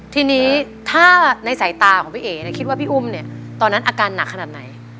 ทีนี้ถ้าในสายตาของพี่เอ๋คิดว่าพี่อุ้มเนี่ยตอนนั้นอาการหนักขนาดไหน